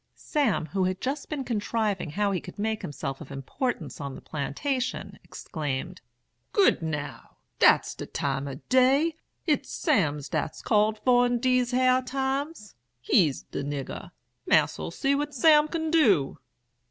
"Sam, who had just been contriving how he could make himself of importance on the plantation, exclaimed: 'Good, now! dat's de time o' day! It's Sam dat's called for in dese yere times. He's de nigger. Mas'r'll see what Sam can do!'